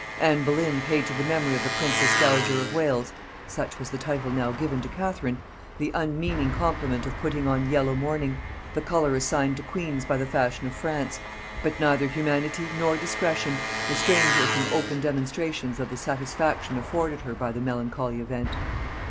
Anne Boleyn paid to the memory of the princess dowager of Wales such was the title now given to Catherine the unmeaning compliment of putting on yellow mourning; the color assigned to queens by the fashion of France: but neither humanity nor discretion restrained her from open demonstrations of the satisfaction afforded her by the melancholy event.